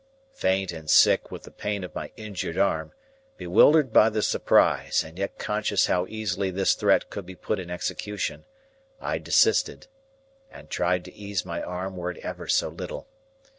Faint and sick with the pain of my injured arm, bewildered by the surprise, and yet conscious how easily this threat could be put in execution, I desisted, and tried to ease my arm were it ever so little.